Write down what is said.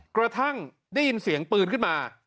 กระทั่งได้ยินเสียงปืนขึ้นมา